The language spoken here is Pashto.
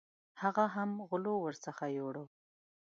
هغه هم غلو ورڅخه یوړې.